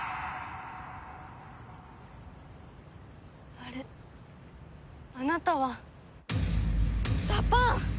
あれあなたはダパーン！